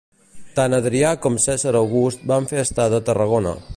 Tant Adrià com Cèsar August van fer estada a Tarragona.